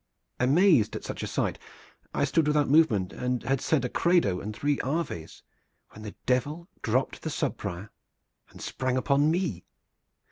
"Amazed at such a sight, I stood without movement and had said a credo and three aves, when the Devil dropped the subprior and sprang upon me.